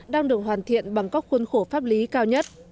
đang được hoàn thiện bằng các khuôn khổ pháp lý cao nhất